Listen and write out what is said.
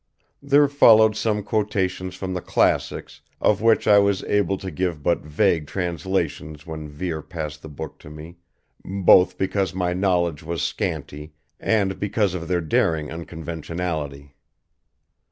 There followed some quotations from the classics of which I was able to give but vague translations when Vere passed the book to me, both because my knowledge was scanty and because of their daring unconventionality.